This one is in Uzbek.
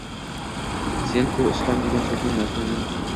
Sen-ku «Islom» degan so’zning mazmunin